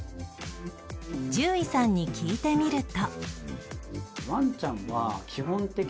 獣医さんに聞いてみると